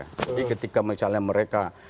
jadi ketika misalnya mereka